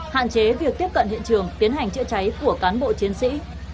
hạn chế việc tiếp cận hiện trường tiến hành chữa cháy của cán bộ chiến sĩ